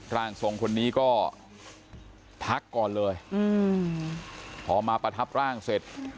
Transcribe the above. ร่างทรงคนนี้ก็พักก่อนเลยอืมพอมาประทับร่างเสร็จ